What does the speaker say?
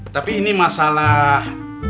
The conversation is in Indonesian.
tapi ini masalah